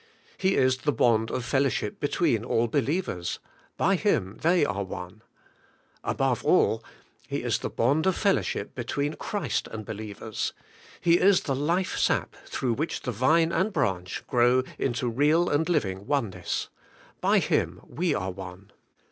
He is the bond of fellowship between all believers: by Him they are one. Above all, He is the bond of fellowship between Christ and believers; He is the life sap through which Vine and branch grow into real and living oneness: by Him we are one.